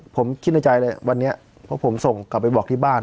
ผมคิดในใจเลยวันนี้เพราะผมส่งกลับไปบอกที่บ้าน